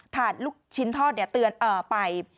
ถาดลูกชิ้นทอดเนี่ยเตือนไป